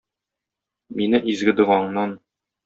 Мине изге догаңнан.